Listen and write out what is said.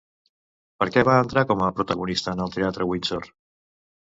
Per què va entrar com a protagonista en el Teatre Windsor?